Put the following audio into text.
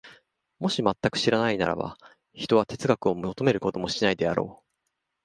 もし全く知らないならば、ひとは哲学を求めることもしないであろう。